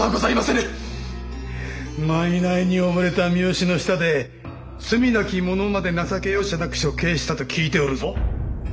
賄に溺れた三好の下で罪なき者まで情け容赦なく処刑したと聞いておるぞ。